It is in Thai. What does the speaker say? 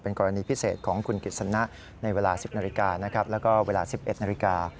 เป็นกรณีพิเศษของคุณกฤษณะในเวลา๑๐นาฬิกาแล้วก็เวลา๑๑นาฬิกา